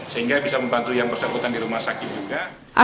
sehingga bisa membantu yang bersangkutan di rumah sakit juga